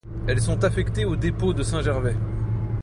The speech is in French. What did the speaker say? Elles sont affectées au dépôt de Saint-Gervais.